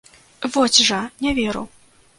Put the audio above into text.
Вось жа не веру.